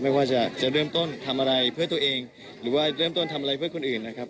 ไม่ว่าจะเริ่มต้นทำอะไรเพื่อตัวเองหรือว่าเริ่มต้นทำอะไรเพื่อคนอื่นนะครับ